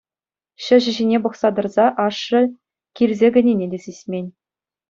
Çĕçĕ ҫине пӑхса тӑрса ашшӗ килсе кӗнине те сисмен.